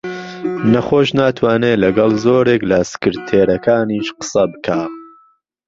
نەخۆش ناتوانێ لەگەڵ زۆرێک لە سکرتێرەکانیش قسە بکا